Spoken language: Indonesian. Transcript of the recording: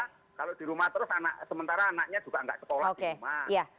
karena kalau di rumah terus sementara anaknya juga nggak ketolak di rumah